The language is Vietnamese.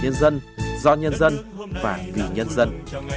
nhân dân do nhân dân và vì nhân dân